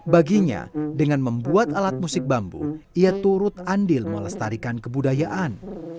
baginya dengan membuat alat musik bambu ia turut andil melestarikan kebudayaan